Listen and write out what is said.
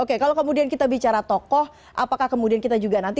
oke kalau kemudian kita bicara tokoh apakah kemudian kita juga nanti